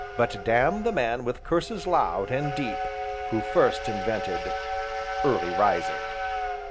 But damn the man with curses loud, and deep, who first invented early rising."